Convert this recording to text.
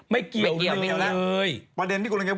ไม่เกี่ยวเลยไม่เกี่ยวเลย